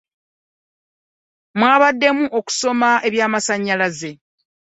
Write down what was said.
Mwabaddemu okusoma ebyamasannyalaze.